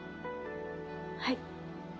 はい。